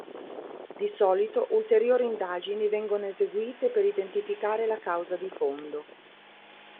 Di solito ulteriori indagini vengono eseguite per identificare la causa di fondo.